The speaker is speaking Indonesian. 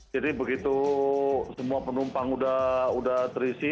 jadi begitu semua penumpang sudah terisi